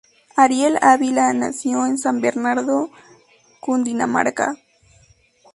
Ariel Ávila nació en San Bernardo, Cundinamarca.